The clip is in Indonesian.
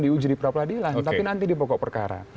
diuji di pra peradilan tapi nanti dipokok perkara